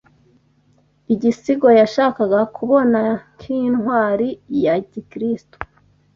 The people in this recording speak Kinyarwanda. igisigo yashakaga kubona nkintwari ya gikristo